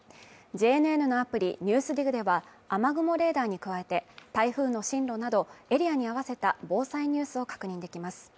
ＪＮＮのアプリニュースでは雨雲レーダーに加えて、台風の進路などエリアに合わせた防災ニュースを確認できます